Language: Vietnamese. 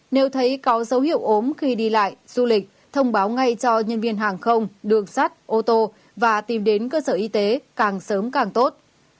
nếu thấy có dấu hiệu ốm khi đi lại du lịch thông báo ngay cho nhân viên hàng không đường sắt ô tô và tìm đến cơ sở y tế càng sớm càng tốt